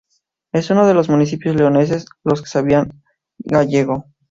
Es uno de los municipios leoneses en los que se habla gallego.